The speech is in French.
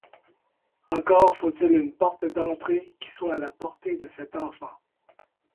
Encore faut-il une porte d’entrée qui soit à la portée de cet enfant.